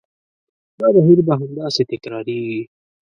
دا بهیر به همداسې تکرارېږي.